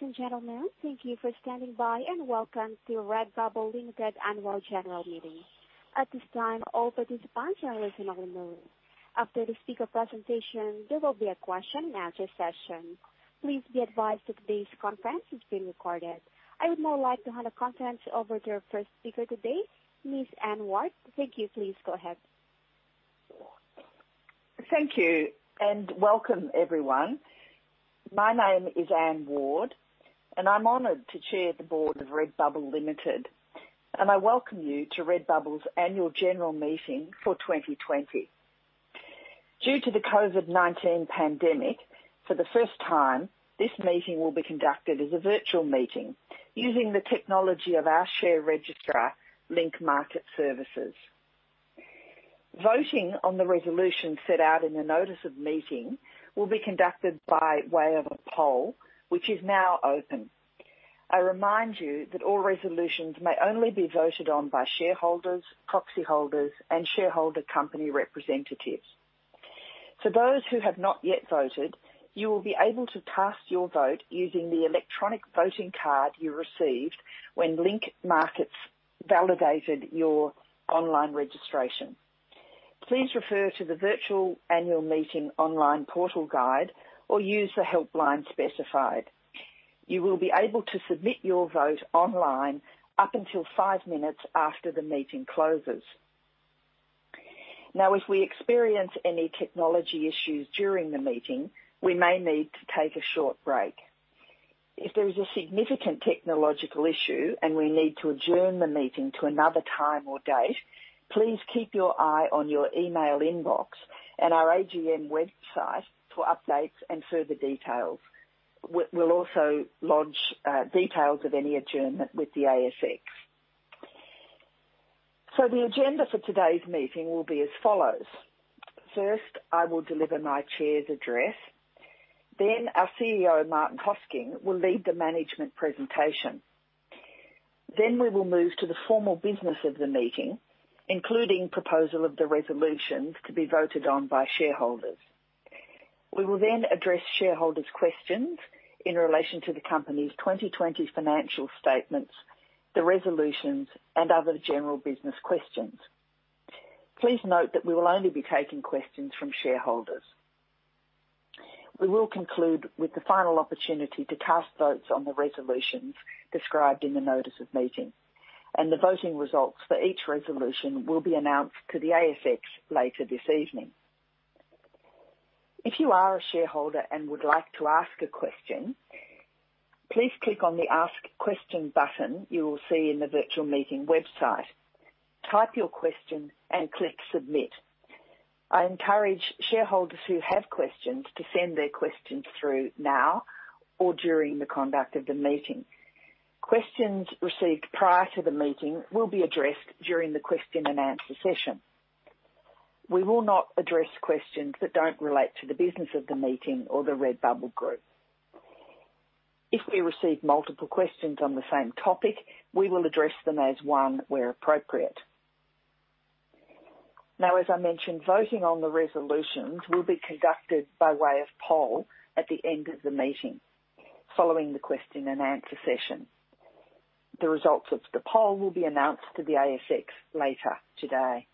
Ladies and gentlemen, thank you for standing by, and welcome to Redbubble Limited Annual General Meeting. At this time, all participants are in a listen-only mode. After the speaker presentation, there will be a question and answer session. Please be advised that today's conference is being recorded. I would now like to hand the conference over to our first speaker today, Ms. Anne Ward. Thank you. Please go ahead. Thank you, and welcome everyone. My name is Anne Ward, and I'm honored to Chair the board of Redbubble Limited, and I welcome you to Redbubble's Annual General Meeting for 2020. Due to the COVID-19 pandemic, for the first time, this meeting will be conducted as a virtual meeting using the technology of our share registrar, Link Market Services. Voting on the resolution set out in the notice of meeting will be conducted by way of a poll, which is now open. I remind you that all resolutions may only be voted on by shareholders, proxy holders, and shareholder company representatives. For those who have not yet voted, you will be able to cast your vote using the electronic voting card you received when Link Markets validated your online registration. Please refer to the virtual Annual Meeting online portal guide or use the helpline specified. You will be able to submit your vote online up until five minutes after the meeting closes. If we experience any technology issues during the meeting, we may need to take a short break. If there is a significant technological issue and we need to adjourn the meeting to another time or date, please keep your eye on your email inbox and our AGM website for updates and further details. We'll also lodge details of any adjournment with the ASX. The agenda for today's meeting will be as follows. First, I will deliver my Chair's address. Our CEO, Martin Hosking, will lead the management presentation. We will move to the formal business of the meeting, including proposal of the resolutions to be voted on by shareholders. We will address shareholders' questions in relation to the company's 2020 financial statements, the resolutions, and other general business questions. Please note that we will only be taking questions from shareholders. We will conclude with the final opportunity to cast votes on the resolutions described in the notice of meeting. The voting results for each resolution will be announced to the ASX later this evening. If you are a shareholder and would like to ask a question, please click on the Ask Question button you will see in the virtual meeting website. Type your question and click Submit. I encourage shareholders who have questions to send their questions through now or during the conduct of the meeting. Questions received prior to the meeting will be addressed during the question and answer session. We will not address questions that don't relate to the business of the meeting or the Redbubble Group. If we receive multiple questions on the same topic, we will address them as one where appropriate. Now, as I mentioned, voting on the resolutions will be conducted by way of poll at the end of the meeting, following the question and answer session. The results of the poll will be announced to the ASX later today.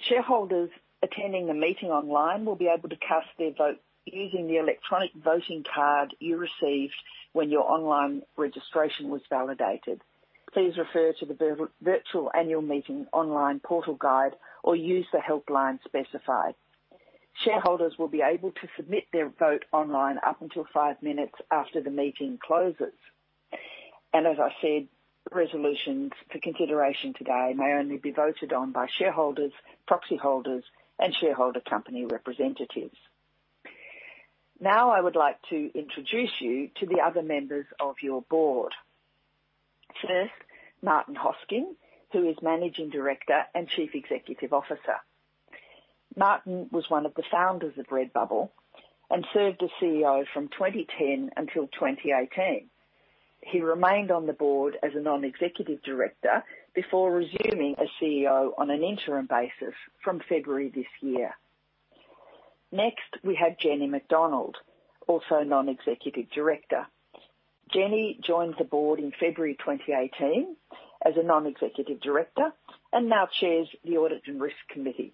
Shareholders attending the meeting online will be able to cast their vote using the electronic voting card you received when your online registration was validated. Please refer to the virtual annual meeting online portal guide or use the helpline specified. Shareholders will be able to submit their vote online up until five minutes after the meeting closes. As I said, resolutions for consideration today may only be voted on by shareholders, proxy holders, and shareholder company representatives. I would like to introduce you to the other members of your board. First, Martin Hosking, who is Managing Director and Chief Executive Officer. Martin was one of the founders of Redbubble and served as CEO from 2010 until 2018. He remained on the board as a Non-Executive Director before resuming as CEO on an interim basis from February this year. We have Jenny Macdonald, also a Non-Executive Director. Jenny joined the board in February 2018 as a Non-Executive Director and now chairs the Audit and Risk Committee.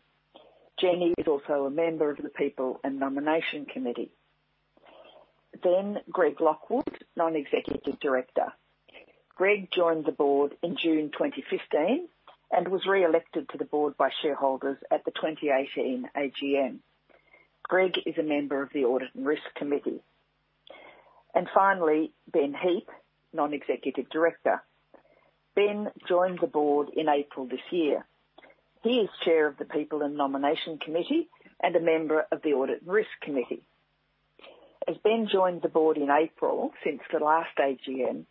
Jenny is also a member of the People and Nomination Committee. Greg Lockwood, Non-Executive Director. Greg joined the board in June 2015 and was reelected to the board by shareholders at the 2018 AGM. Greg is a member of the Audit and Risk Committee. Finally, Ben Heap, Non-Executive Director. Ben joined the board in April this year. He is Chair of the People and Nomination Committee and a member of the Audit and Risk Committee. As Ben joined the board in April, since the last AGM,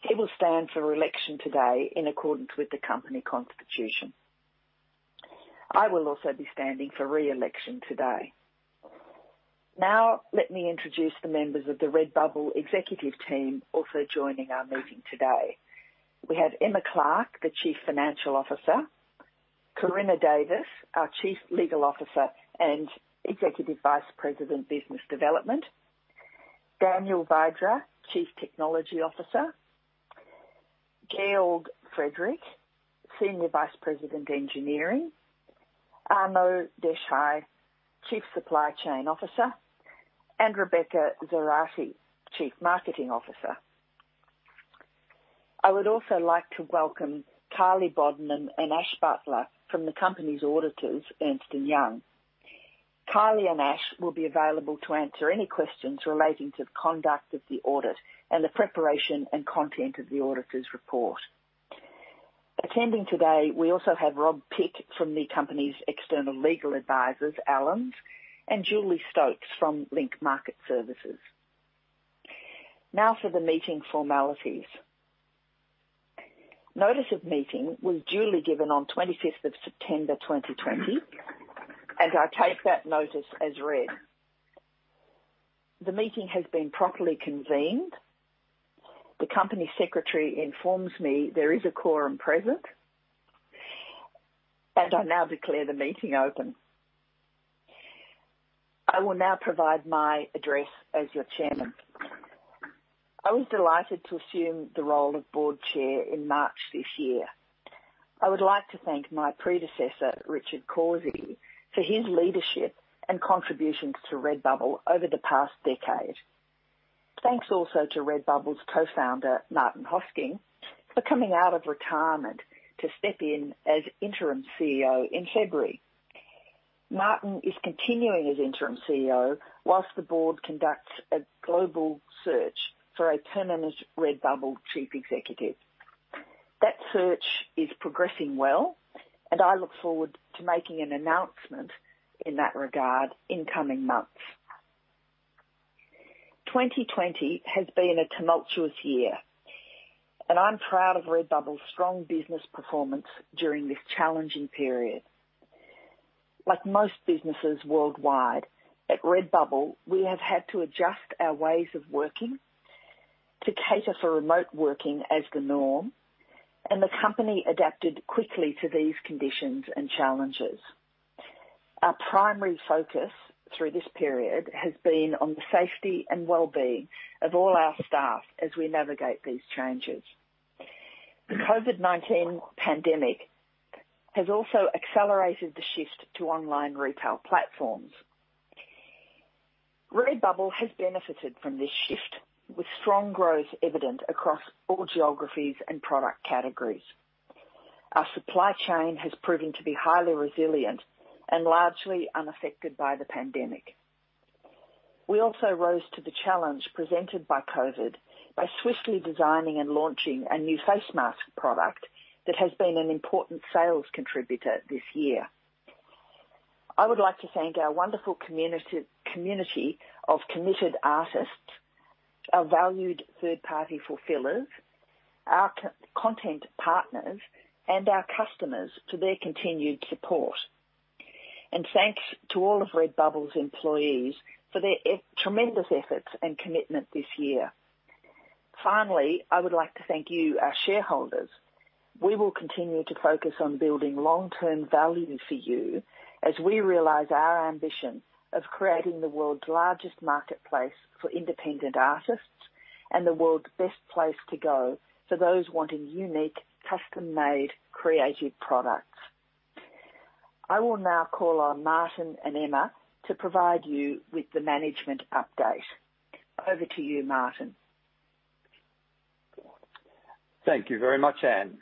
he will stand for election today in accordance with the company constitution. I will also be standing for re-election today. Let me introduce the members of the Redbubble executive team also joining our meeting today. We have Emma Clark, the Chief Financial Officer. Corina Davis, our Chief Legal Officer and Executive Vice President, Business Development. Daniel Vydra, Chief Technology Officer. Georg Friedrich, Senior Vice President, Engineering. Arnaud Deshais, Chief Supply Chain Officer, and Rebecca Zarate, Chief Marketing Officer. I would also like to welcome Kylie Bodden and Ash Butler from the company's auditors, Ernst & Young. Kylie and Ash will be available to answer any questions relating to the conduct of the audit and the preparation and content of the auditors report. Attending today, we also have Rob Pick from the company's external legal advisors, Allens, and Julie Stokes from Link Market Services. Now for the meeting formalities. Notice of meeting was duly given on 25th of September 2020. I take that notice as read. The meeting has been properly convened. The company secretary informs me there is a quorum present. I now declare the meeting open. I will now provide my address as your Chairman. I was delighted to assume the role of Board Chair in March this year. I would like to thank my predecessor, Richard Cawsey, for his leadership and contributions to Redbubble over the past decade. Thanks also to Redbubble's co-Founder, Martin Hosking, for coming out of retirement to step in as interim CEO in February. Martin is continuing as interim CEO whilst the board conducts a global search for a permanent Redbubble Chief Executive. That search is progressing well. I look forward to making an announcement in that regard in coming months. 2020 has been a tumultuous year. I'm proud of Redbubble's strong business performance during this challenging period. Like most businesses worldwide, at Redbubble, we have had to adjust our ways of working to cater for remote working as the norm, and the company adapted quickly to these conditions and challenges. Our primary focus through this period has been on the safety and well-being of all our staff as we navigate these changes. The COVID-19 pandemic has also accelerated the shift to online retail platforms. Redbubble has benefited from this shift, with strong growth evident across all geographies and product categories. Our supply chain has proven to be highly resilient and largely unaffected by the pandemic. We also rose to the challenge presented by COVID by swiftly designing and launching a new face mask product that has been an important sales contributor this year. I would like to thank our wonderful community of committed artists, our valued third-party fulfillers, our content partners, and our customers for their continued support. Thanks to all of Redbubble's employees for their tremendous efforts and commitment this year. Finally, I would like to thank you, our shareholders. We will continue to focus on building long-term value for you as we realize our ambition of creating the world's largest marketplace for independent artists and the world's best place to go for those wanting unique, custom-made, creative products. I will now call on Martin and Emma to provide you with the management update. Over to you, Martin. Thank you very much, Anne.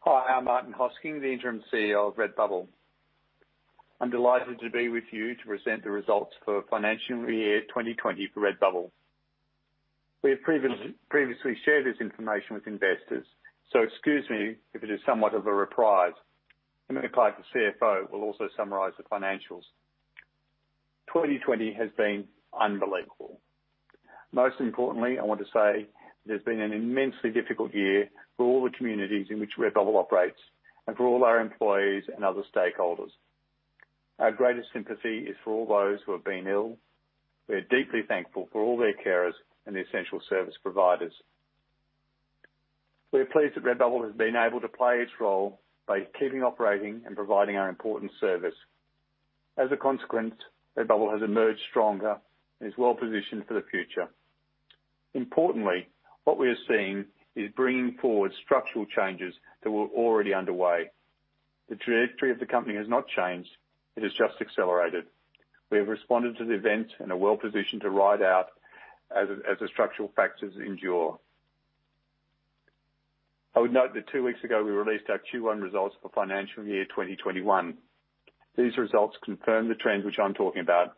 Hi, I'm Martin Hosking, the Interim CEO of Redbubble. I'm delighted to be with you to present the results for financial year 2020 for Redbubble. We have previously shared this information with investors, so excuse me if it is somewhat of a reprise. Emma Clark, the CFO, will also summarize the financials. 2020 has been unbelievable. Most importantly, I want to say it has been an immensely difficult year for all the communities in which Redbubble operates and for all our employees and other stakeholders. Our greatest sympathy is for all those who have been ill. We are deeply thankful for all their carers and the essential service providers. We are pleased that Redbubble has been able to play its role by keeping operating and providing our important service. As a consequence, Redbubble has emerged stronger and is well-positioned for the future. Importantly, what we are seeing is bringing forward structural changes that were already underway. The trajectory of the company has not changed. It has just accelerated. We have responded to the event and are well-positioned to ride out as the structural factors endure. I would note that two weeks ago, we released our Q1 results for financial year 2021. These results confirm the trends which I'm talking about,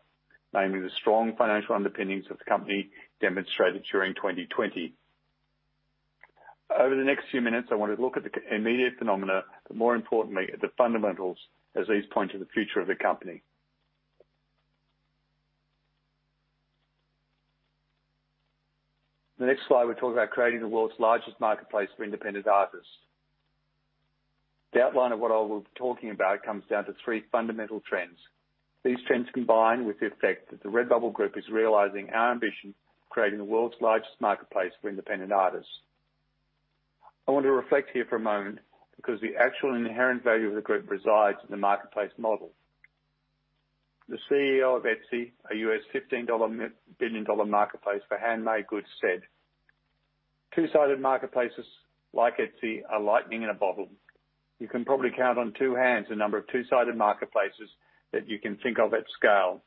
namely the strong financial underpinnings of the company demonstrated during 2020. Over the next few minutes, I want to look at the immediate phenomena, but more importantly, at the fundamentals as these point to the future of the company. The next slide will talk about creating the world's largest marketplace for independent artists. The outline of what I will be talking about comes down to three fundamental trends. These trends combine with the effect that the Redbubble Group is realizing our ambition, creating the world's largest marketplace for independent artists. I want to reflect here for a moment because the actual inherent value of the group resides in the marketplace model. The CEO of Etsy, a $15 billion marketplace for handmade goods said, "Two-sided marketplaces like Etsy are lightning in a bottle. You can probably count on two hands the number of two-sided marketplaces that you can think of at scale.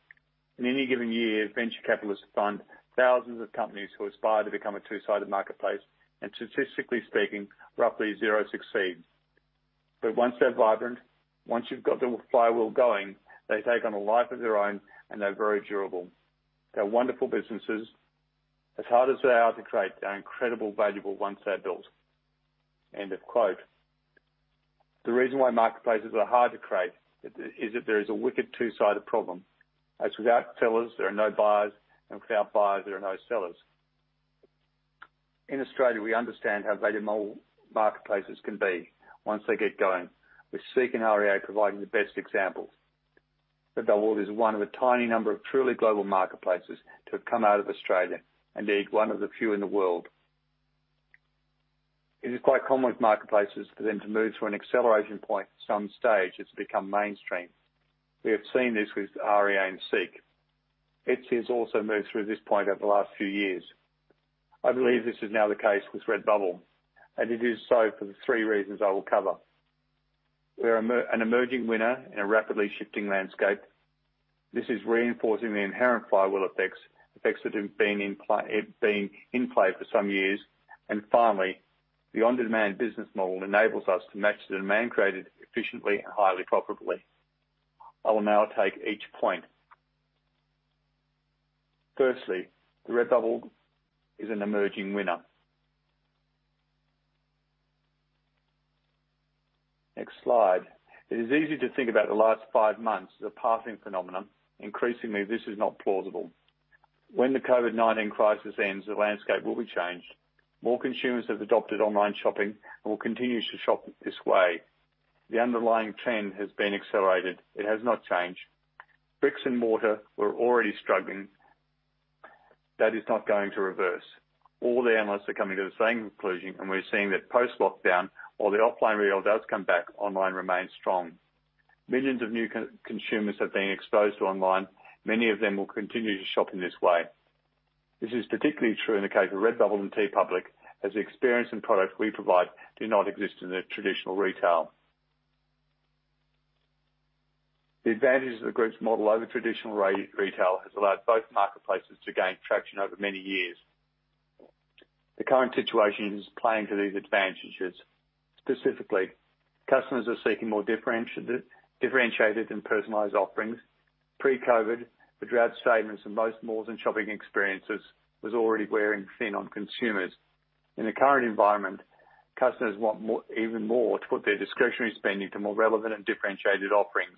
In any given year, venture capitalists fund thousands of companies who aspire to become a two-sided marketplace, and statistically speaking, roughly zero succeed. Once they're vibrant, once you've got the Flywheel going, they take on a life of their own and they're very durable. They're wonderful businesses. As hard as they are to create, they're incredibly valuable once they're built. The reason why marketplaces are hard to create is that there is a wicked two-sided problem, as without sellers there are no buyers, and without buyers there are no sellers. In Australia, we understand how valuable marketplaces can be once they get going. We've seen REA providing the best example. Redbubble is one of a tiny number of truly global marketplaces to have come out of Australia, indeed one of the few in the world. It is quite common with marketplaces for them to move to an acceleration point at some stage as they become mainstream. We have seen this with REA and SEEK. Etsy has also moved through this point over the last few years. I believe this is now the case with Redbubble, and it is so for the three reasons I will cover. We're an emerging winner in a rapidly shifting landscape. This is reinforcing the inherent Flywheel effects that have been in play for some years. Finally, the on-demand business model enables us to match the demand created efficiently and highly profitably. I will now take each point. Firstly, Redbubble is an emerging winner. Next slide. It is easy to think about the last five months as a passing phenomenon. Increasingly, this is not plausible. When the COVID-19 crisis ends, the landscape will be changed. More consumers have adopted online shopping and will continue to shop this way. The underlying trend has been accelerated. It has not changed. Bricks and mortar were already struggling. That is not going to reverse. All the analysts are coming to the same conclusion, and we're seeing that post-lockdown, while the offline retail does come back, online remains strong. Millions of new consumers have been exposed to online. Many of them will continue to shop in this way. This is particularly true in the case of Redbubble and TeePublic, as the experience and products we provide do not exist in the traditional retail. The advantages of the group's model over traditional retail has allowed both marketplaces to gain traction over many years. The current situation is playing to these advantages. Specifically, customers are seeking more differentiated and personalized offerings. Pre-COVID, the drab statements in most malls and shopping experiences was already wearing thin on consumers. In the current environment, customers want even more to put their discretionary spending to more relevant and differentiated offerings.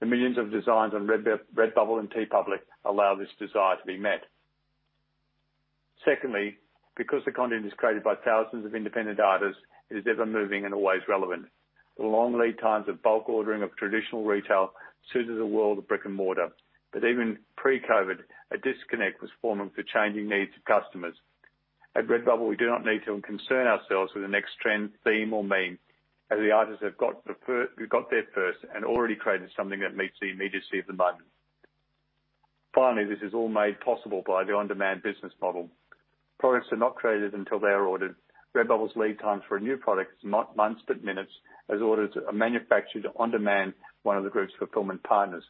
The millions of designs on Redbubble and TeePublic allow this desire to be met. Secondly, because the content is created by thousands of independent artists, it is ever-moving and always relevant. The long lead times of bulk ordering of traditional retail suits the world of brick and mortar. Even pre-COVID, a disconnect was forming for changing needs of customers. At Redbubble, we do not need to concern ourselves with the next trend, theme, or meme, as the artists have got there first and already created something that meets the immediacy of the moment. Finally, this is all made possible by the on-demand business model. Products are not created until they are ordered. Redbubble's lead times for a new product is not months, but minutes, as orders are manufactured on-demand by one of the group's fulfillment partners.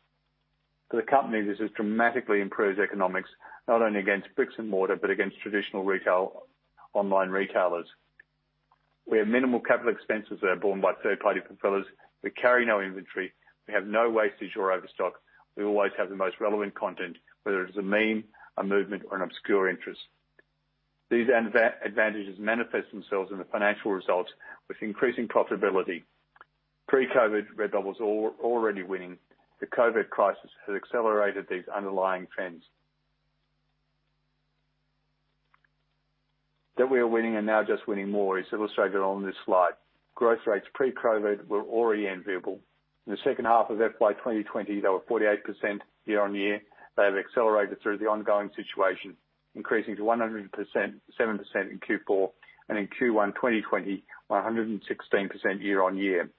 For the company, this has dramatically improved economics, not only against bricks and mortar, but against traditional online retailers. We have minimal capital expenses that are borne by third-party fulfillers. We carry no inventory. We have no wastage or overstock. We always have the most relevant content, whether it is a meme, a movement, or an obscure interest. These advantages manifest themselves in the financial results with increasing profitability. Pre-COVID, Redbubble was already winning. The COVID crisis has accelerated these underlying trends. That we are winning and now just winning more is illustrated on this slide. Growth rates pre-COVID were already enviable. In the second half of FY 2020, they were 48% year-on-year. They have accelerated through the ongoing situation, increasing to 107% in Q4, and in Q1 2020 by 116% year-on-year.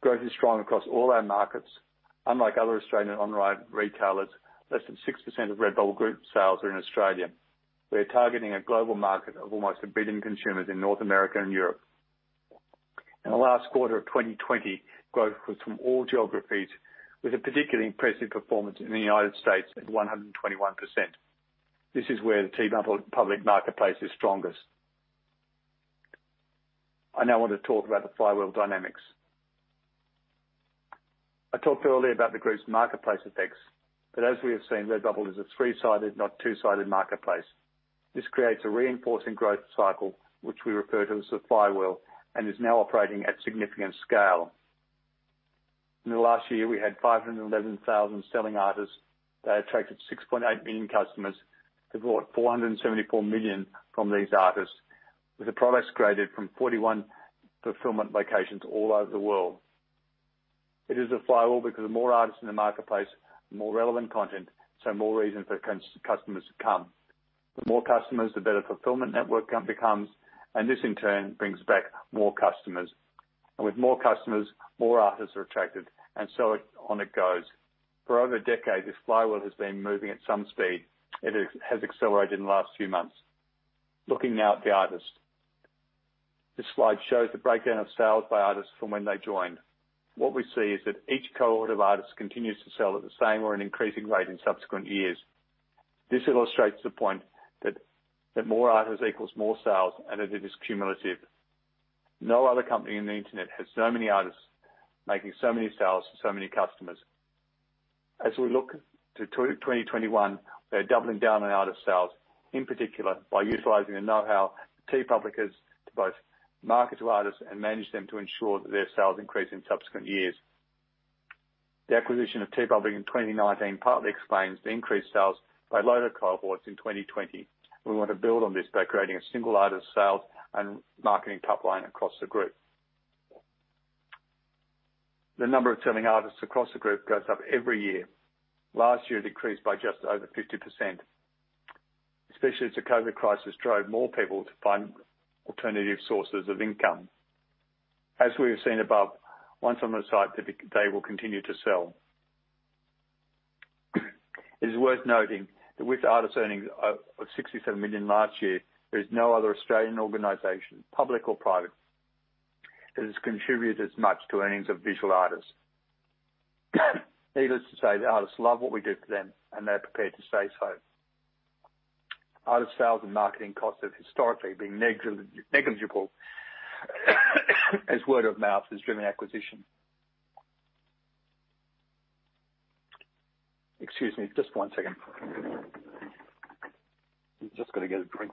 Growth is strong across all our markets. Unlike other Australian online retailers, less than 6% of Redbubble Group sales are in Australia. We are targeting a global market of almost a billion consumers in North America and Europe. In the last quarter of 2020, growth was from all geographies, with a particularly impressive performance in the United States at 121%. This is where the TeePublic marketplace is strongest. I now want to talk about the Flywheel dynamics. I talked earlier about the group's marketplace effects. As we have seen, Redbubble is a three-sided, not two-sided marketplace. This creates a reinforcing growth cycle, which we refer to as the Flywheel, and is now operating at significant scale. In the last year, we had 511,000 selling artists that attracted 6.8 million customers who bought 474 million from these artists, with the products created from 41 fulfillment locations all over the world. It is a Flywheel because the more artists in the marketplace, the more relevant content, so more reason for customers to come. The more customers, the better fulfillment network becomes, and this in turn brings back more customers. With more customers, more artists are attracted, and so on it goes. For over a decade, this Flywheel has been moving at some speed. It has accelerated in the last few months. Looking now at the artists. This slide shows the breakdown of sales by artists from when they joined. What we see is that each cohort of artists continues to sell at the same or an increasing rate in subsequent years. This illustrates the point that more artists equals more sales and that it is cumulative. No other company on the internet has so many artists making so many sales for so many customers. As we look to 2021, we are doubling down on artist sales, in particular by utilizing the know-how of TeePublic is to both market to artists and manage them to ensure that their sales increase in subsequent years. The acquisition of TeePublic in 2019 partly explains the increased sales by later cohorts in 2020. We want to build on this by creating a single artist sales and marketing top line across the group. The number of selling artists across the group goes up every year. Last year, it increased by just over 50%, especially as the COVID crisis drove more people to find alternative sources of income. As we have seen above, once on the site, they will continue to sell. It is worth noting that with artist earnings of AUD 67 million last year, there is no other Australian organization, public or private, that has contributed as much to earnings of visual artists. Needless to say, the artists love what we do for them and they're prepared to stay so. Artist sales and marketing costs have historically been negligible, as word of mouth has driven acquisition. Excuse me just one second. Just got to get a drink.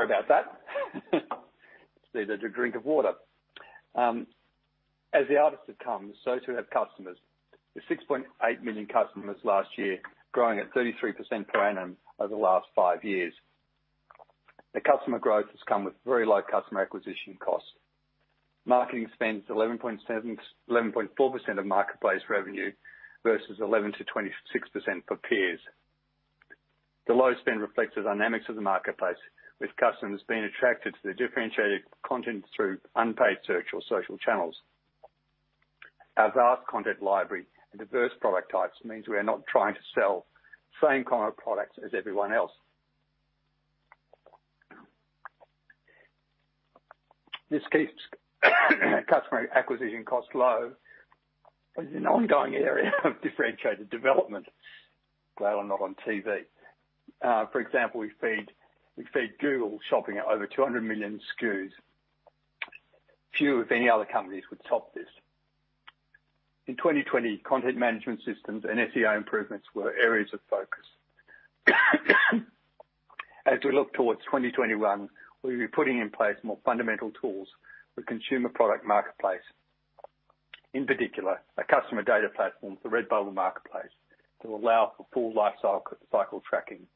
Sorry about that. Just needed a drink of water. As the artists have come, so too have customers. With 6.8 million customers last year, growing at 33% per annum over the last five years. The customer growth has come with very low customer acquisition costs. Marketing spends 11.4% of marketplace revenue versus 11%-26% for peers. The low spend reflects the dynamics of the marketplace, with customers being attracted to the differentiated content through unpaid search or social channels. Our vast content library and diverse product types means we are not trying to sell the same kind of products as everyone else. This keeps customer acquisition costs low, but is an ongoing area of differentiated development. Glad I'm not on TV. For example, we feed Google Shopping at over 200 million SKUs. Few, if any, other companies would top this. In 2020, content management systems and SEO improvements were areas of focus. As we look towards 2021, we'll be putting in place more fundamental tools for consumer product marketplace, in particular, a customer data platform for Redbubble marketplace to allow for full lifecycle tracking.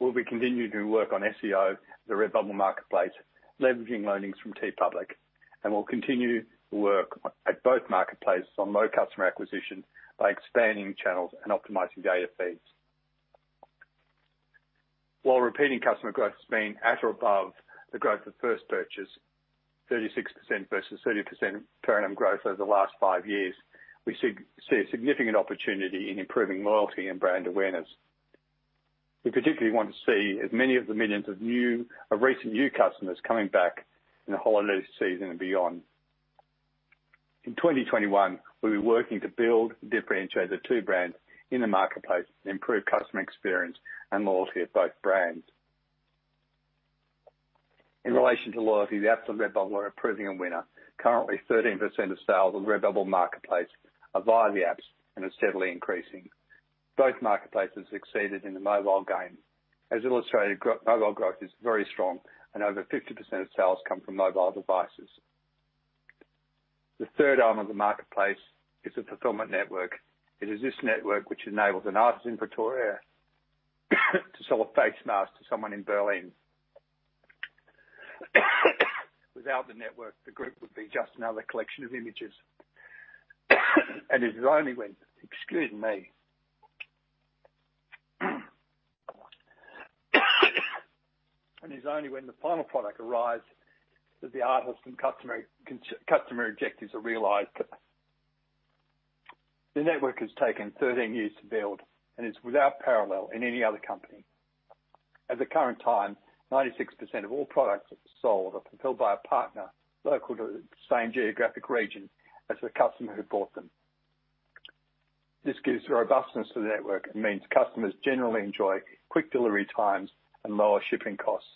We'll be continuing to work on SEO for the Redbubble marketplace, leveraging learnings from TeePublic, and we'll continue to work at both marketplaces on low customer acquisition by expanding channels and optimizing data feeds. While repeating customer growth has been at or above the growth of first purchase, 36% versus 30% per annum growth over the last five years, we see a significant opportunity in improving loyalty and brand awareness. We particularly want to see as many of the millions of recent new customers coming back in the holiday season and beyond. In 2021, we'll be working to build and differentiate the two brands in the marketplace to improve customer experience and loyalty of both brands. In relation to loyalty, the apps on Redbubble are proving a winner. Currently, 13% of sales on Redbubble marketplace are via the apps and are steadily increasing. Both marketplaces exceeded in the mobile game. As illustrated, mobile growth is very strong, and over 50% of sales come from mobile devices. The third arm of the marketplace is the fulfillment network. It is this network which enables an artist in Pretoria to sell a face mask to someone in Berlin. Without the network, the group would be just another collection of images. It's only when the final product arrives that the artist and customer objectives are realized. The network has taken 13 years to build, and it's without parallel in any other company. At the current time, 96% of all products that are sold are fulfilled by a partner local to the same geographic region as the customer who bought them. This gives robustness to the network and means customers generally enjoy quick delivery times and lower shipping costs.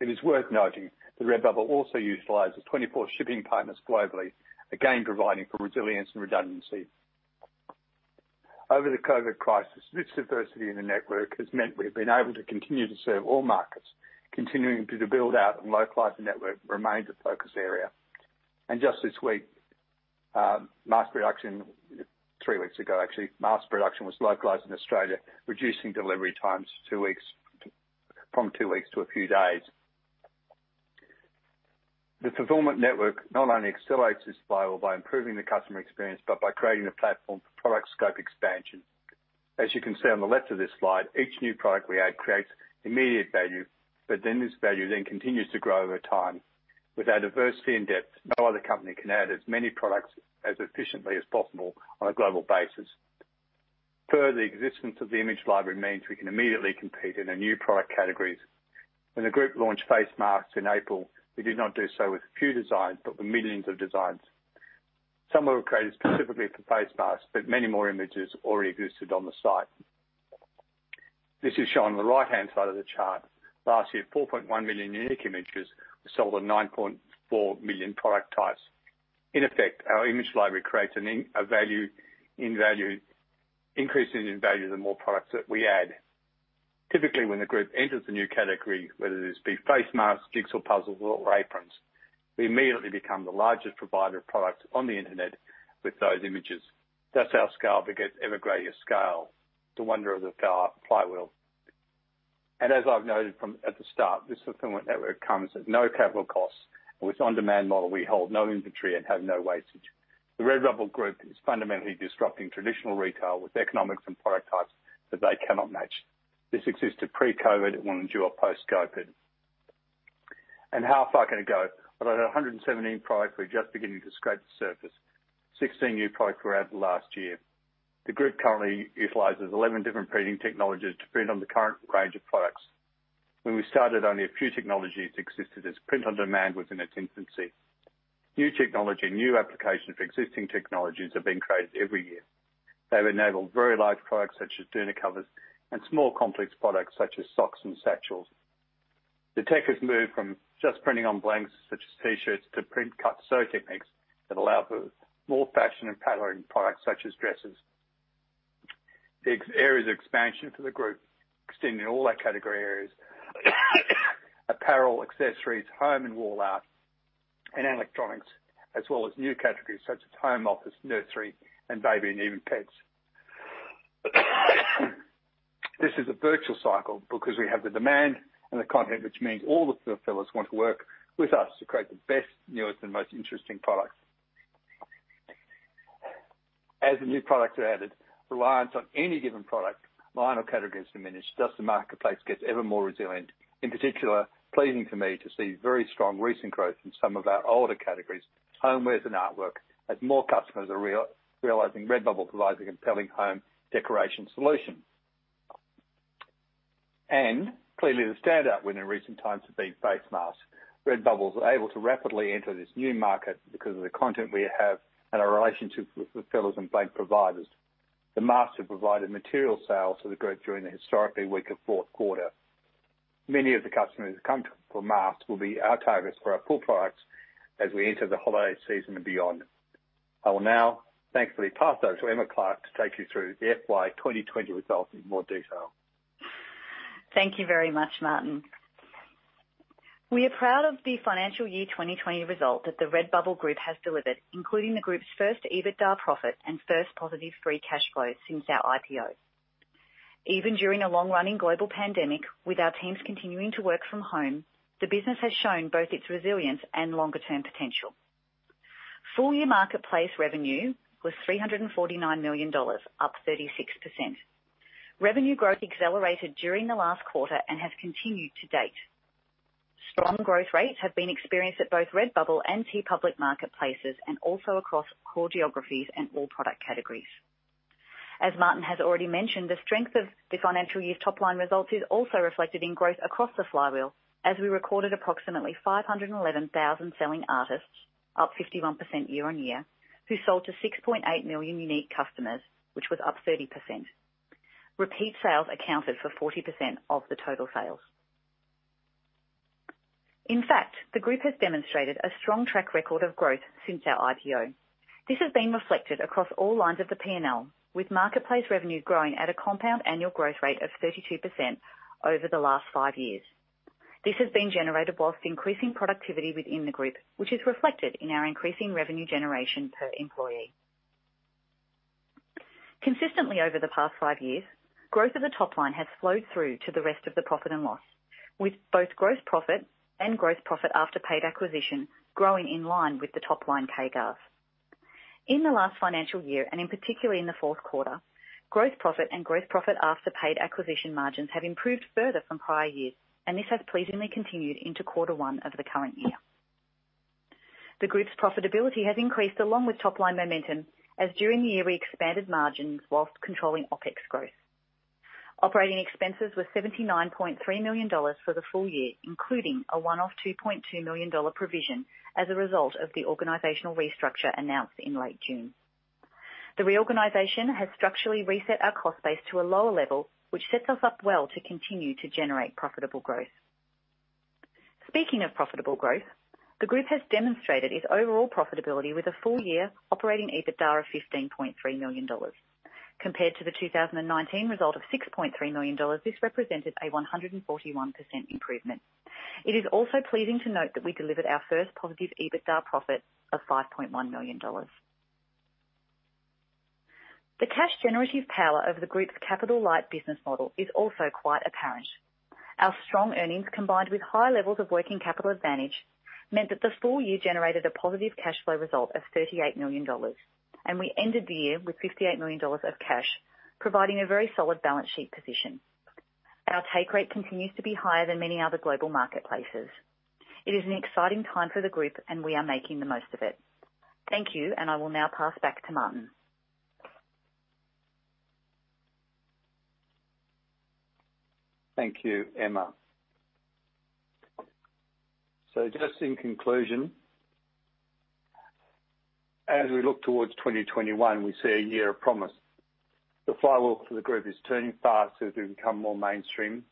It is worth noting that Redbubble also utilizes 24 shipping partners globally, again, providing for resilience and redundancy. Over the COVID-19 crisis, this diversity in the network has meant we've been able to continue to serve all markets. Continuing to build out and localize the network remains a focus area. Three weeks ago, actually, mass production was localized in Australia, reducing delivery times from two weeks to a few days. The fulfillment network not only accelerates this Flywheel by improving the customer experience, but by creating a platform for product scope expansion. As you can see on the left of this slide, each new product we add creates immediate value, but then this value then continues to grow over time. With our diversity and depth, no other company can add as many products as efficiently as possible on a global basis. Further, the existence of the image library means we can immediately compete in new product categories. When the group launched face masks in April, we did not do so with a few designs, but with millions of designs. Some were created specifically for face masks, but many more images already existed on the site. This is shown on the right-hand side of the chart. Last year, 4.1 million unique images were sold on 9.4 million product types. In effect, our image library creates an increase in value the more products that we add. Typically, when the group enters the new category, whether this be face masks, jigsaw puzzles or aprons, we immediately become the largest provider of products on the internet with those images. That's our scale. It gets ever greater scale. The wonder of the Flywheel. As I've noted at the start, this fulfillment network comes at no capital cost. With on-demand model, we hold no inventory and have no wastage. The Redbubble Group is fundamentally disrupting traditional retail with economics and product types that they cannot match. This existed pre-COVID and will endure post-COVID. How far can it go? With over 117 products, we're just beginning to scrape the surface. 16 new products were added last year. The group currently utilizes 11 different printing technologies to print on the current range of products. When we started, only a few technologies existed, as print on demand was in its infancy. New technology, new application for existing technologies are being created every year. They've enabled very large products such as doona covers and small complex products such as socks and satchels. The tech has moved from just printing on blanks such as t-shirts to print cut and sew techniques that allow for more fashion and tailoring products such as dresses. Big areas of expansion for the group extend in all our category areas apparel, accessories, home and wall art, and electronics, as well as new categories such as home, office, nursery and baby, and even pets. This is a virtual cycle because we have the demand and the content, which means all the fulfillers want to work with us to create the best, newest, and most interesting products. As the new products are added, reliance on any given product line or categories diminish, thus the marketplace gets ever more resilient. In particular, pleasing to me to see very strong recent growth in some of our older categories, homewares and artwork, as more customers are realizing Redbubble provides a compelling home decoration solution. Clearly the standout winner in recent times have been face masks. Redbubble was able to rapidly enter this new market because of the content we have and our relationships with fulfillers and blank providers. The masks have provided material sales to the group during the historically weaker fourth quarter. Many of the customers who come to us for masks will be our targets for our core products as we enter the holiday season and beyond. I will now thankfully pass over to Emma Clark to take you through the FY 2020 results in more detail. Thank you very much, Martin. We are proud of the financial year 2020 result that the Redbubble Group has delivered, including the group's first EBITDA profit and first positive free cash flow since our IPO. Even during a long-running global pandemic, with our teams continuing to work from home, the business has shown both its resilience and longer-term potential. Full-year marketplace revenue was AUD 349 million, up 36%. Revenue growth accelerated during the last quarter and has continued to date. Strong growth rates have been experienced at both Redbubble and TeePublic marketplaces and also across core geographies and all product categories. As Martin has already mentioned, the strength of the financial year's top-line results is also reflected in growth across the Flywheel, as we recorded approximately 511,000 selling artists, up 51% year-on-year, who sold to 6.8 million unique customers, which was up 30%. Repeat sales accounted for 40% of the total sales. In fact, the group has demonstrated a strong track record of growth since our IPO. This has been reflected across all lines of the P&L, with marketplace revenue growing at a compound annual growth rate of 32% over the last five years. This has been generated while increasing productivity within the group, which is reflected in our increasing revenue generation per employee. Consistently over the past five years, growth of the top line has flowed through to the rest of the profit and loss, with both gross profit and gross profit after paid acquisition growing in line with the top line CAGRs. In the last financial year, and in particular in the fourth quarter, gross profit and gross profit after paid acquisition margins have improved further from prior years, and this has pleasingly continued into quarter one of the current year. The group's profitability has increased along with top-line momentum as during the year we expanded margins whilst controlling OPEX growth. Operating expenses were 79.3 million dollars for the full year, including a one-off 2.2 million dollar provision as a result of the organizational restructure announced in late June. The reorganization has structurally reset our cost base to a lower level, which sets us up well to continue to generate profitable growth. Speaking of profitable growth, the group has demonstrated its overall profitability with a full-year operating EBITDA of 15.3 million dollars. Compared to the 2019 result of 6.3 million dollars, this represented a 141% improvement. It is also pleasing to note that we delivered our first positive EBITDA profit of 5.1 million dollars. The cash generative power over the group's capital light business model is also quite apparent. Our strong earnings, combined with high levels of working capital advantage, meant that the full year generated a positive cash flow result of 38 million dollars. We ended the year with 58 million dollars of cash, providing a very solid balance sheet position. Our take rate continues to be higher than many other global marketplaces. It is an exciting time for the group, and we are making the most of it. Thank you, and I will now pass back to Martin. Thank you, Emma. Just in conclusion, as we look towards 2021, we see a year of promise. The Flywheel for the group is turning faster as we become more mainstream.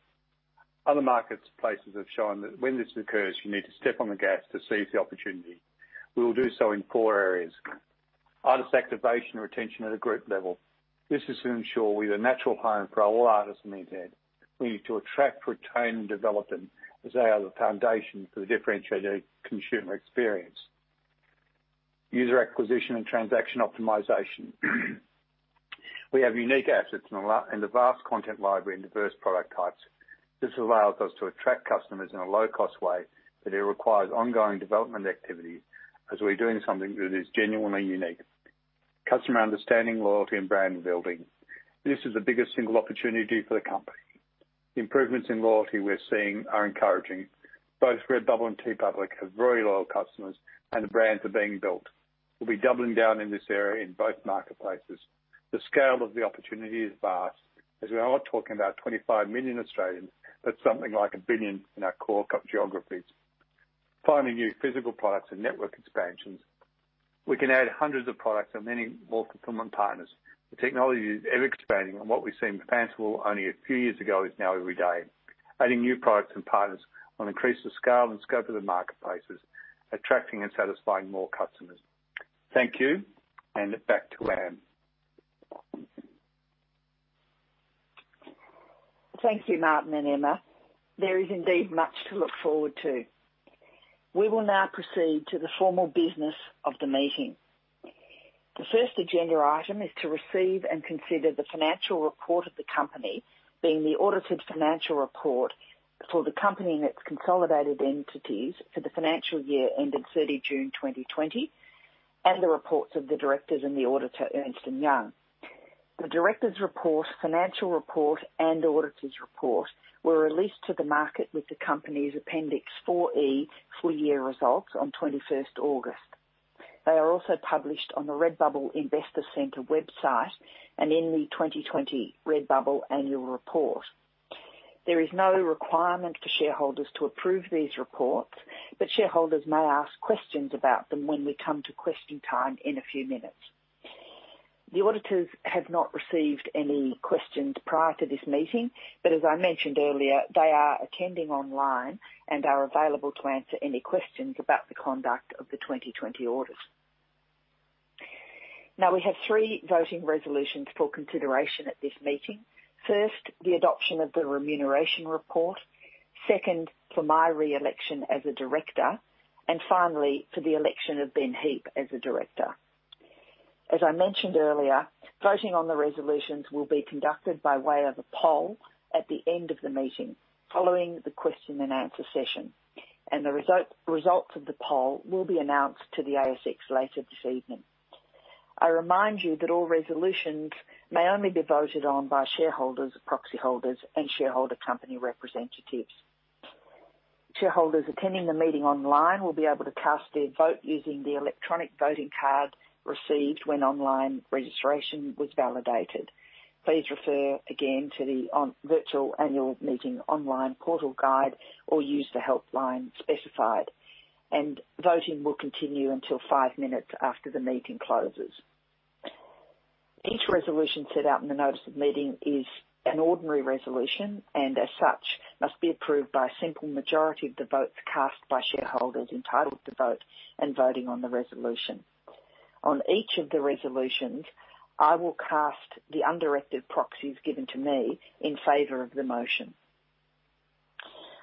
Other marketplaces have shown that when this occurs, you need to step on the gas to seize the opportunity. We will do so in four areas. Artist activation and retention at a group level. This is to ensure we are the natural home for all artists in the ANZ. We need to attract, retain, and develop them as they are the foundation for the differentiated consumer experience. User acquisition and transaction optimization. We have unique assets and a vast content library and diverse product types. This allows us to attract customers in a low-cost way, but it requires ongoing development activities as we're doing something that is genuinely unique. Customer understanding, loyalty, and brand building. This is the biggest single opportunity for the company. Improvements in loyalty we're seeing are encouraging. Both Redbubble and TeePublic have very loyal customers, and the brands are being built. We'll be doubling down in this area in both marketplaces. The scale of the opportunity is vast as we are talking about 25 million Australians, that's something like 1 billion in our core geographies. Finding new physical products and network expansions. We can add hundreds of products and many more fulfillment partners. The technology is ever-expanding, and what we see in fan art only a few years ago is now every day. Adding new products and partners will increase the scale and scope of the marketplaces, attracting and satisfying more customers. Thank you, and back to Anne. Thank you, Martin and Emma. There is indeed much to look forward to. We will now proceed to the formal business of the meeting. The first agenda item is to receive and consider the financial report of the company, being the audited financial report for the company and its consolidated entities for the financial year ending 30 June 2020, and the reports of the directors and the auditor, Ernst & Young. The directors' report, financial report, and auditors' report were released to the market with the company's Appendix 4E full-year results on 21st August. They are also published on the Redbubble Investor Center website and in the 2020 Redbubble Annual Report. There is no requirement for shareholders to approve these reports, but shareholders may ask questions about them when we come to question time in a few minutes. The auditors have not received any questions prior to this meeting. As I mentioned earlier, they are attending online and are available to answer any questions about the conduct of the 2020 orders. Now, we have three voting resolutions for consideration at this meeting. First, the adoption of the remuneration report. Second, for my re-election as a Director. Finally, for the election of Ben Heap as a Director. As I mentioned earlier, voting on the resolutions will be conducted by way of a poll at the end of the meeting, following the question and answer session. The results of the poll will be announced to the ASX later this evening. I remind you that all resolutions may only be voted on by shareholders, proxy holders, and shareholder company representatives. Shareholders attending the meeting online will be able to cast their vote using the electronic voting card received when online registration was validated. Please refer again to the Virtual Annual Meeting Online Portal Guide or use the helpline specified. Voting will continue until five minutes after the meeting closes. Each resolution set out in the notice of meeting is an ordinary resolution, as such, must be approved by a simple majority of the votes cast by shareholders entitled to vote and voting on the resolution. On each of the resolutions, I will cast the undirected proxies given to me in favor of the motion.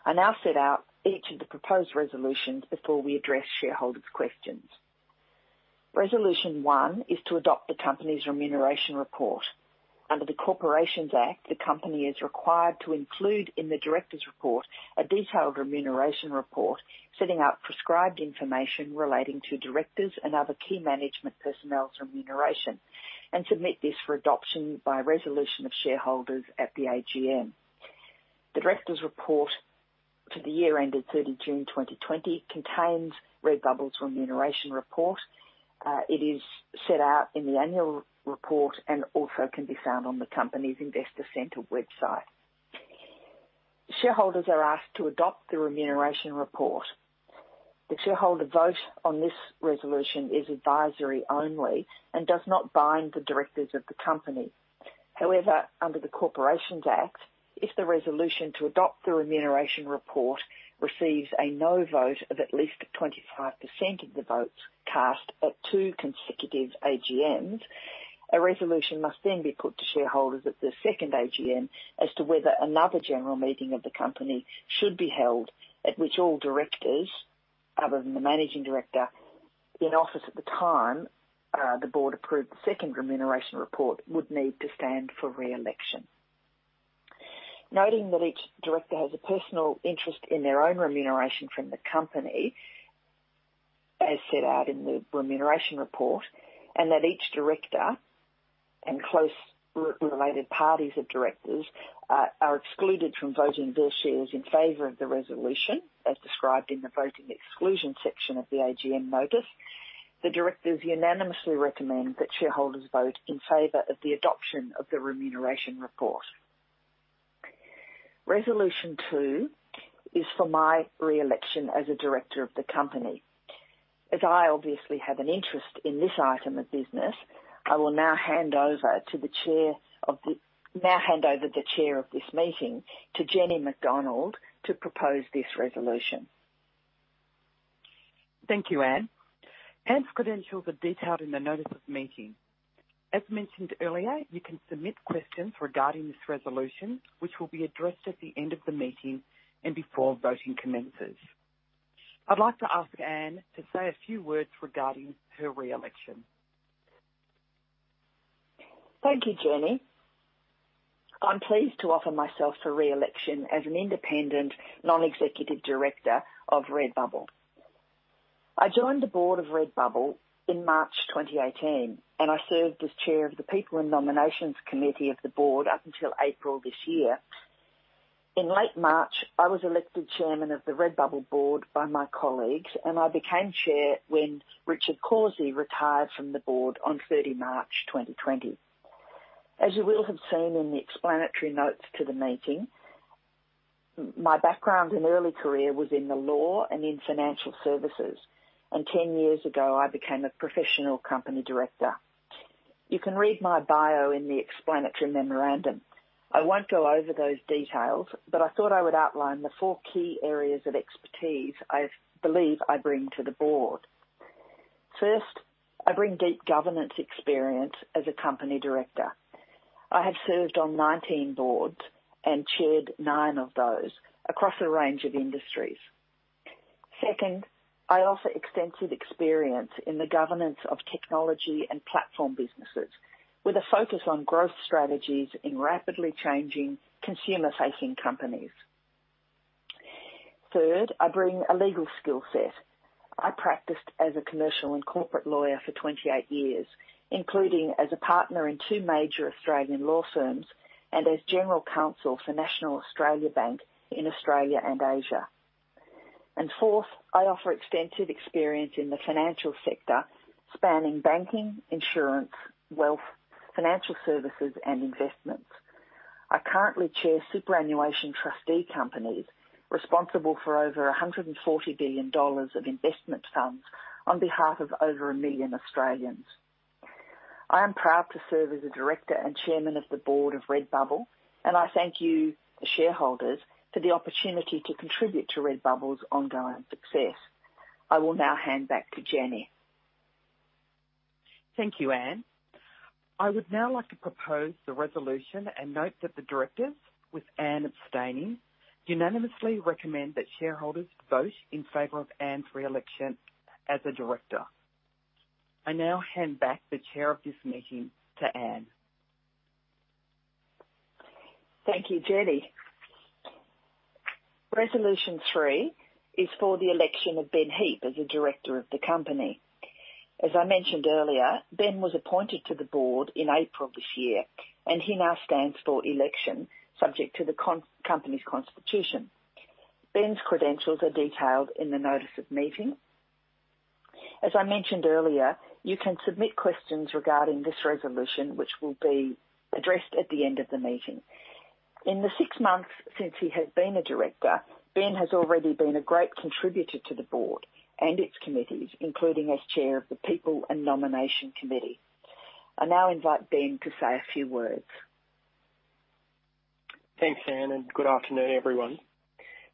I now set out each of the proposed resolutions before we address shareholders' questions. Resolution one is to adopt the company's remuneration report. Under the Corporations Act, the company is required to include in the directors' report a detailed remuneration report setting out prescribed information relating to directors' and other key management personnel's remuneration and submit this for adoption by resolution of shareholders at the AGM. The directors' report for the year ended 30 June 2020 contains Redbubble's remuneration report. It is set out in the annual report and also can be found on the company's Investor Center website. Shareholders are asked to adopt the remuneration report. The shareholder vote on this resolution is advisory only and does not bind the directors of the company. Under the Corporations Act, if the resolution to adopt the remuneration report receives a no vote of at least 25% of the votes cast at two consecutive AGMs, a resolution must then be put to shareholders at the second AGM as to whether another general meeting of the company should be held, at which all directors, other than the Managing Director in office at the time the board approved the second remuneration report, would need to stand for re-election. Noting that each Director has a personal interest in their own remuneration from the company, as set out in the remuneration report, and that each Director and close related parties of directors are excluded from voting their shares in favor of the resolution, as described in the voting exclusion section of the AGM notice. The directors unanimously recommend that shareholders vote in favor of the adoption of the remuneration report. Resolution two is for my re-election as a Director of the company. As I obviously have an interest in this item of business, I will now hand over the Chair of this meeting to Jenny Macdonald to propose this resolution. Thank you, Anne. Anne's credentials are detailed in the notice of meeting. As mentioned earlier, you can submit questions regarding this resolution, which will be addressed at the end of the meeting and before voting commences. I'd like to ask Anne to say a few words regarding her re-election. Thank you, Jenny. I'm pleased to offer myself for re-election as an independent Non-Executive Director of Redbubble. I joined the board of Redbubble in March 2018, and I served as Chair of the People and Nomination Committee of the board up until April this year. In late March, I was elected Chairman of the Redbubble board by my colleagues, and I became Chair when Richard Cawsey retired from the board on 30 of March 2020. As you will have seen in the explanatory notes to the meeting, my background and early career was in the law and in financial services, and 10 years ago, I became a professional company Director. You can read my bio in the explanatory memorandum. I won't go over those details, but I thought I would outline the four key areas of expertise I believe I bring to the board. First, I bring deep governance experience as a company Director. I have served on 19 boards and chaired nine of those across a range of industries. Second, I offer extensive experience in the governance of technology and platform businesses with a focus on growth strategies in rapidly changing consumer-facing companies. Third, I bring a legal skill set. I practiced as a commercial and corporate lawyer for 28 years, including as a partner in two major Australian law firms and as general counsel for National Australia Bank in Australia and Asia. Fourth, I offer extensive experience in the financial sector, spanning banking, insurance, wealth, financial services, and investments. I currently Chair superannuation trustee companies responsible for over 140 billion dollars of investment funds on behalf of over a million Australians. I am proud to serve as a Director and Chairman of the board of Redbubble. I thank you, the shareholders, for the opportunity to contribute to Redbubble's ongoing success. I will now hand back to Jenny. Thank you, Anne. I would now like to propose the resolution and note that the directors, with Anne abstaining, unanimously recommend that shareholders vote in favor of Anne's re-election as a Director. I now hand back the chair of this meeting to Anne. Thank you, Jenny. Resolution three is for the election of Ben Heap as a Director of the company. As I mentioned earlier, Ben was appointed to the board in April this year, and he now stands for election subject to the company's constitution. Ben's credentials are detailed in the notice of meeting. As I mentioned earlier, you can submit questions regarding this resolution, which will be addressed at the end of the meeting. In the six months since he has been a Director, Ben has already been a great contributor to the board and its committees, including as Chair of the People and Nomination Committee. I now invite Ben to say a few words. Thanks, Anne, and good afternoon, everyone.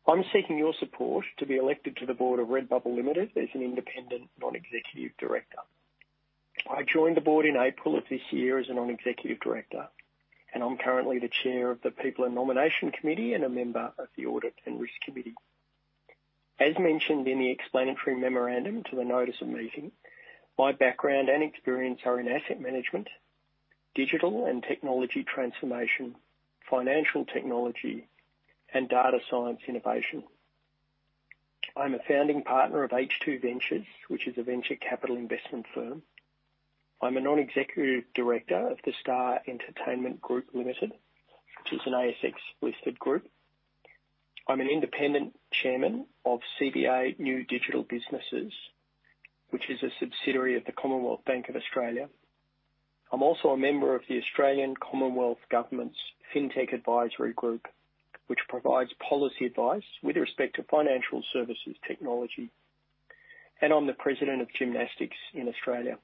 I'm seeking your support to be elected to the board of Redbubble Limited as an independent Non-Executive Director. I joined the board in April of this year as a Non-Executive Director, and I'm currently the chair of the People and Nomination Committee and a member of the Audit and Risk Committee. As mentioned in the explanatory memorandum to the notice of meeting, my background and experience are in asset management, digital and technology transformation, financial technology, and data science innovation. I'm a founding partner of H2 Ventures, which is a venture capital investment firm. I'm a Non-Executive Director of The Star Entertainment Group Limited, which is an ASX-listed group. I'm an independent Chairman of CBA New Digital Businesses, which is a subsidiary of the Commonwealth Bank of Australia. I'm also a member of the Australian Commonwealth Government's FinTech Advisory Group, which provides policy advice with respect to financial services technology. I'm the President of Gymnastics Australia.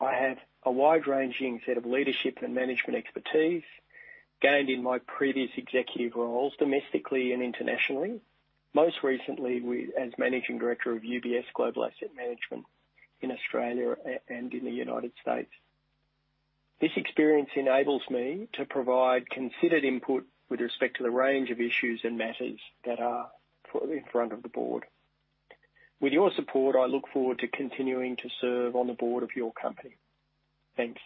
I have a wide-ranging set of leadership and management expertise gained in my previous executive roles domestically and internationally, most recently as Managing Director of UBS Global Asset Management in Australia and in the U.S. This experience enables me to provide considered input with respect to the range of issues and matters that are put in front of the board. With your support, I look forward to continuing to serve on the board of your company. Thanks.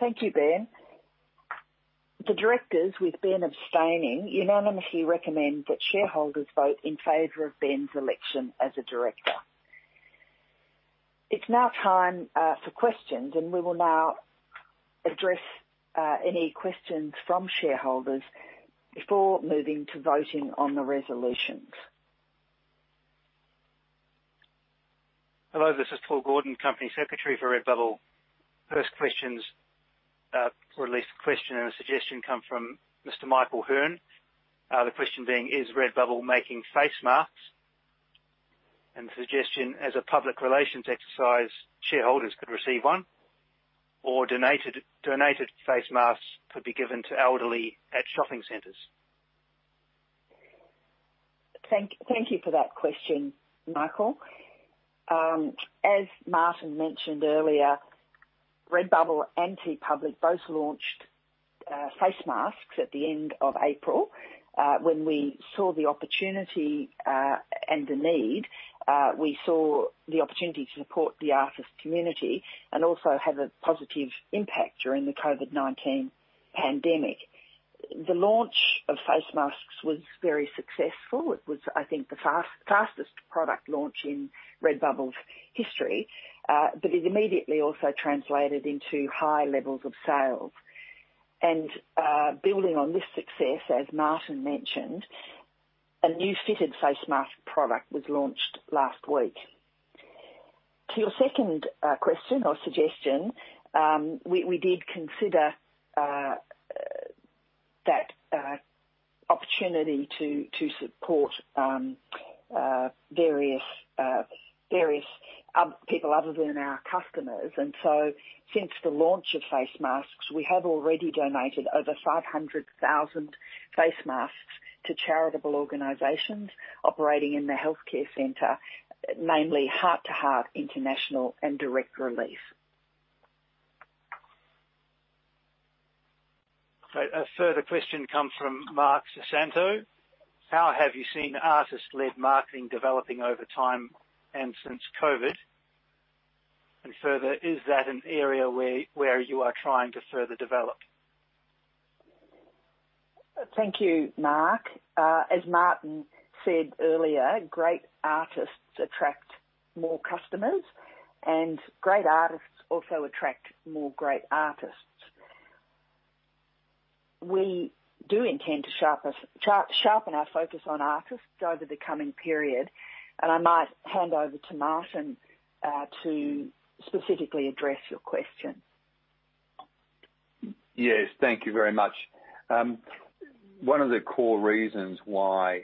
Thank you, Ben. The directors, with Ben abstaining, unanimously recommend that shareholders vote in favor of Ben's election as a Director. It's now time for questions, and we will now address any questions from shareholders before moving to voting on the resolutions. Hello, this is Paul Gordon, company secretary for Redbubble. First questions, or at least a question and a suggestion come from Mr. Michael Hearn. The question being, is Redbubble making face masks? The suggestion, as a public relations exercise, shareholders could receive one or donated face masks could be given to elderly at shopping centers. Thank you for that question, Michael. As Martin mentioned earlier, Redbubble and TeePublic both launched face masks at the end of April. When we saw the opportunity and the need, we saw the opportunity to support the artist community and also have a positive impact during the COVID-19 pandemic. The launch of face masks was very successful. It was, I think, the fastest product launch in Redbubble's history, it immediately also translated into high levels of sales. Building on this success, as Martin mentioned, a new fitted face mask product was launched last week. To your second question or suggestion, we did consider that opportunity to support various people other than our customers. Since the launch of face masks, we have already donated over 500,000 face masks to charitable organizations operating in the healthcare center, namely Heart to Heart International and Direct Relief. A further question comes from Mark Santo. How have you seen artist-led marketing developing over time and since COVID? Further, is that an area where you are trying to further develop? Thank you, Mark. As Martin said earlier, great artists attract more customers, and great artists also attract more great artists. We do intend to sharpen our focus on artists over the coming period. I might hand over to Martin to specifically address your question. Yes, thank you very much. One of the core reasons why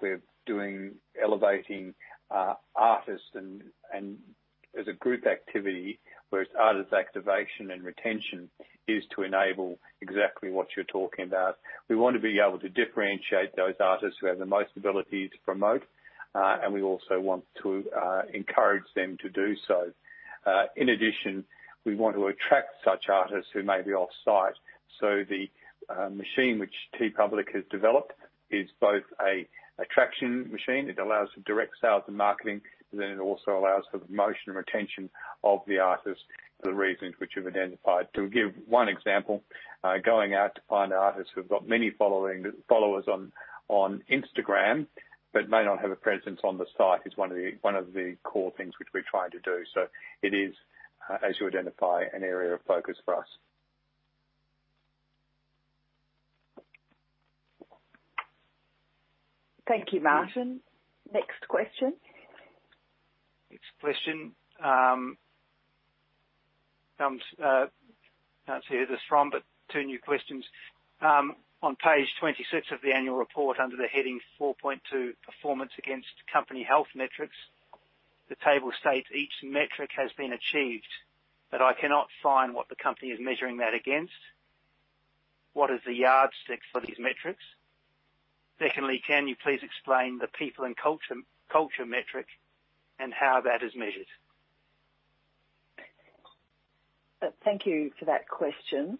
we're doing elevating artists and as a group activity, whereas artists' activation and retention is to enable exactly what you're talking about. We want to be able to differentiate those artists who have the most ability to promote, and we also want to encourage them to do so. In addition, we want to attract such artists who may be off-site. The machine which TeePublic has developed is both a attraction machine, it allows for direct sales and marketing, it also allows for the motion and retention of the artists for the reasons which you've identified. To give one example, going out to find artists who've got many followers on Instagram but may not have a presence on the site is one of the core things which we're trying to do. It is, as you identify, an area of focus for us. Thank you, Martin. Next question. Next question comes, can't see who this is from, but two new questions. On page 26 of the annual report under the heading 4.2 Performance Against Company Health Metrics, the table states each metric has been achieved, but I cannot find what the company is measuring that against. What is the yardstick for these metrics? Secondly, can you please explain the people and culture metric and how that is measured? Thank you for that question.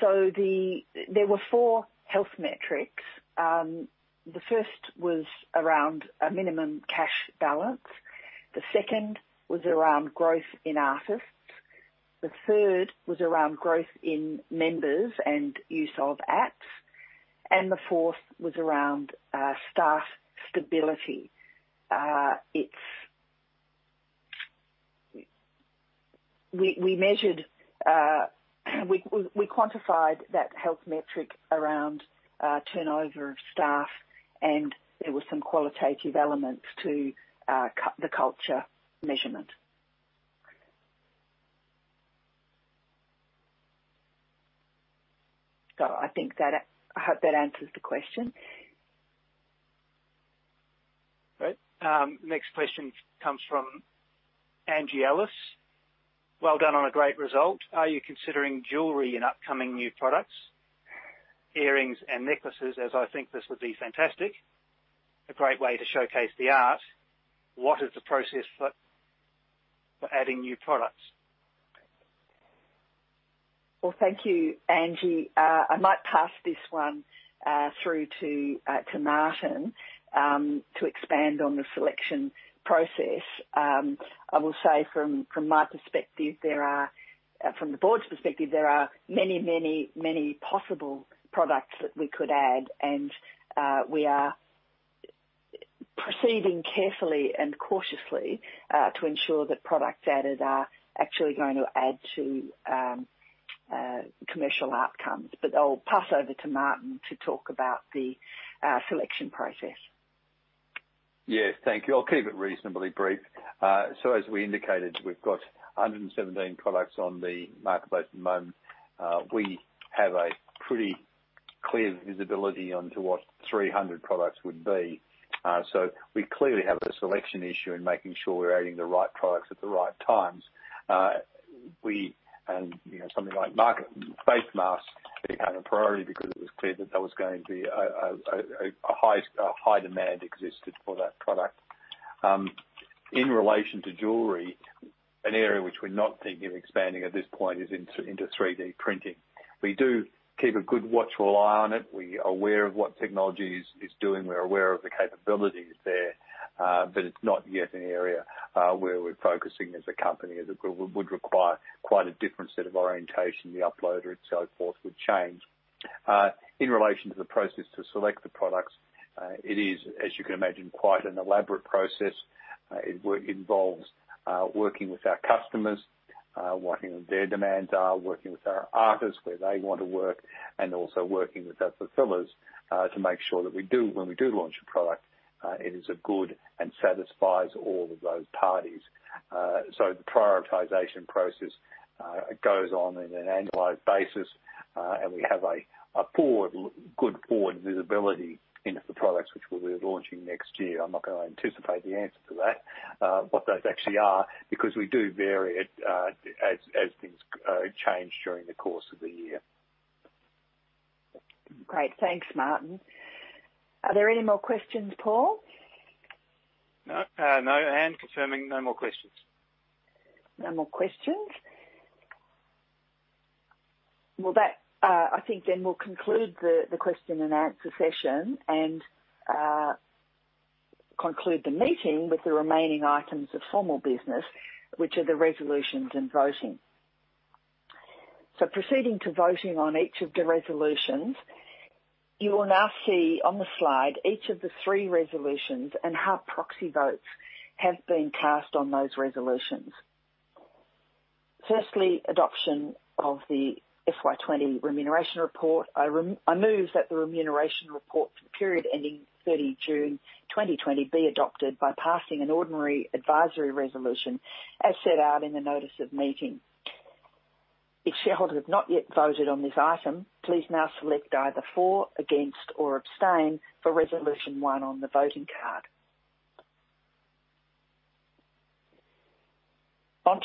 There were four health metrics. The first was around a minimum cash balance. The second was around growth in artists, the third was around growth in members and use of apps, and the fourth was around staff stability. We quantified that health metric around turnover of staff, and there were some qualitative elements to the culture measurement. I hope that answers the question. Great. Next question comes from Angie Ellis. Well done on a great result. Are you considering jewelry in upcoming new products, earrings and necklaces, as I think this would be fantastic, a great way to showcase the art? What is the process for adding new products? Well, thank you, Angie. I might pass this one through to Martin to expand on the selection process. I will say from the board's perspective, there are many possible products that we could add, and we are proceeding carefully and cautiously to ensure that products added are actually going to add to commercial outcomes. I'll pass over to Martin to talk about the selection process. Yes. Thank you. I'll keep it reasonably brief. As we indicated, we've got 117 products on the marketplace at the moment. We have a pretty clear visibility onto what 300 products would be. We clearly have a selection issue in making sure we're adding the right products at the right times. Something like market face masks became a priority because it was clear that there was going to be a high demand existed for that product. In relation to jewelry, an area which we're not thinking of expanding at this point is into 3D printing. We do keep a good watchful eye on it. We are aware of what technology is doing. We're aware of the capabilities there. It's not yet an area where we're focusing as a company, as it would require quite a different set of orientation, the uploader and so forth would change. In relation to the process to select the products, it is, as you can imagine, quite an elaborate process. It involves working with our customers, what their demands are, working with our artists, where they want to work, and also working with our fulfillers, to make sure that when we do launch a product, it is good and satisfies all of those parties. The prioritization process goes on in an annualized basis. We have a good forward visibility into the products which we'll be launching next year. I'm not going to anticipate the answer to that, what those actually are, because we do vary it as things change during the course of the year. Great. Thanks, Martin. Are there any more questions, Paul? No. Anne confirming no more questions. No more questions. Well, I think we'll conclude the question and answer session and conclude the meeting with the remaining items of formal business, which are the resolutions and voting. Proceeding to voting on each of the resolutions, you will now see on the slide each of the three resolutions and how proxy votes have been cast on those resolutions. Adoption of the FY 2020 Remuneration Report. I move that the Remuneration Report for the period ending 30 June 2020 be adopted by passing an ordinary advisory resolution as set out in the notice of meeting. If shareholders have not yet voted on this item, please now select either for, against, or abstain for Resolution one on the voting card.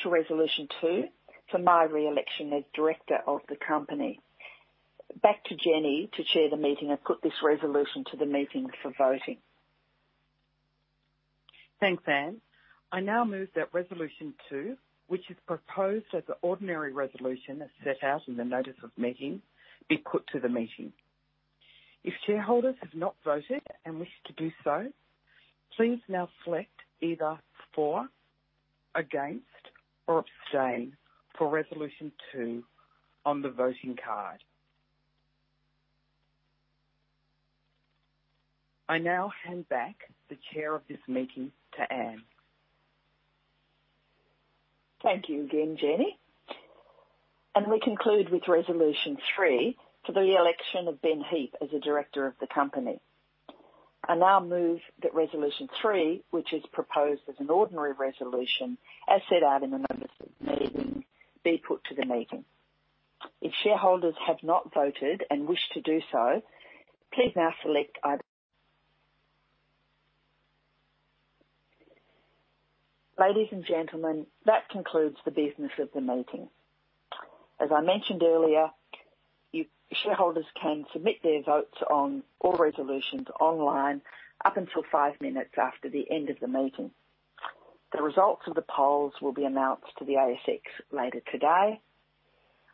Resolution two, for my re-election as Director of the company. Back to Jenny to chair the meeting and put this resolution to the meeting for voting. Thanks, Anne. I now move that resolution two, which is proposed as an ordinary resolution as set out in the notice of meeting, be put to the meeting. If shareholders have not voted and wish to do so, please now select either for, against, or abstain for resolution two on the voting card. I now hand back the chair of this meeting to Anne. Thank you again, Jenny. We conclude with resolution three for the re-election of Ben Heap as a Director of the company. I now move that resolution three, which is proposed as an ordinary resolution as set out in the notice of meeting, be put to the meeting. If shareholders have not voted and wish to do so, please now select. Ladies and gentlemen, that concludes the business of the meeting. As I mentioned earlier, shareholders can submit their votes on all resolutions online up until five minutes after the end of the meeting. The results of the polls will be announced to the ASX later today.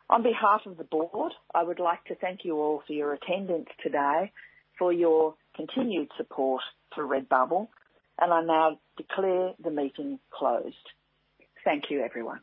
On behalf of the board, I would like to thank you all for your attendance today, for your continued support to Redbubble, and I now declare the meeting closed. Thank you, everyone.